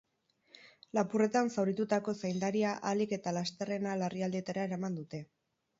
Lapurretan zauritutako zaindaria ahalik eta lasterrena larrialdietara eraman dute.